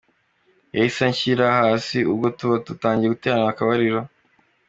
Yahise anshyira hasi ubwo tuba dutangiye gutera akabariro.